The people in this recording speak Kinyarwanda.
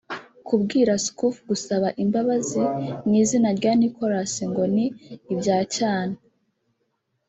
Kubwira Schoof gusaba imbabazi mu izina rya Nicholas ngo ni “ibya cyana”